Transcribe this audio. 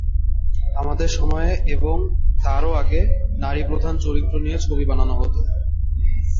আমাদের সময়ে এবং তারও আগে নারীপ্রধান চরিত্র নিয়ে ছবি বানানো হতো।